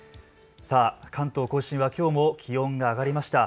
関東甲信はきょうも気温が上がりました。